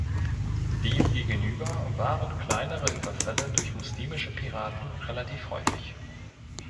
Demgegenüber waren kleinere Überfälle durch muslimische Piraten relativ häufig.